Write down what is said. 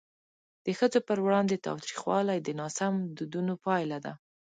د ښځو پر وړاندې تاوتریخوالی د ناسم دودونو پایله ده.